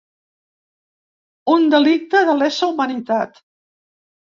Un delicte de lesa humanitat.